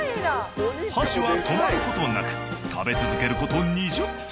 箸は止まることなく食べ続けること２０分。